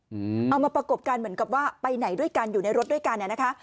เอามาประกบกันเหมือนกับว่าไปไหนด้วยกันอยู่ในรถด้วยกันอ่ะนะคะ